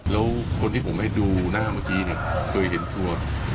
แล้วคนที่ผมให้ดูหน้าเมื่อกี้เนี่ยเคยเห็นทัวร์